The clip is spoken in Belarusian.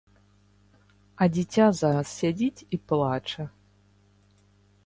А дзіця зараз сядзіць і плача!